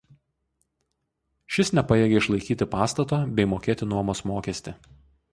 Šis nepajėgė išlaikyti pastato bei mokėti nuomos mokestį.